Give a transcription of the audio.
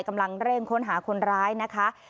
กำลังเร่งค้นหาคนร้ายนะคะ